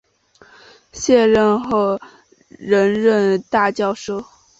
卸任后仍任政大教授。